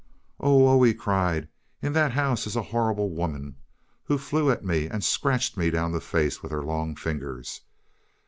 "Oh! oh!" he cried, "in that house is a horrible woman, who flew at me and scratched me down the face with her long fingers.